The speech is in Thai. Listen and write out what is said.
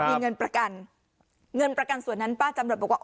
มีเงินประกันเงินประกันส่วนนั้นป้าจำรวดบอกว่า